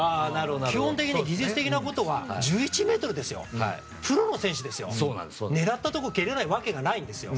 基本的に、技術的なことは１１ｍですよ、プロの選手ですよ狙ったところ蹴れないわけがないんですよ。